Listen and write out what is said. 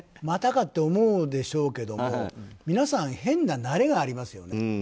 またかって思うんでしょうけど皆さん、変な慣れがありますよね。